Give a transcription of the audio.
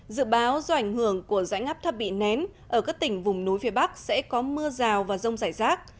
dự báo do ảnh hưởng của rãnh ngắp thấp bị nén ở các tỉnh vùng núi phía bắc sẽ có mưa rào và rông rải rác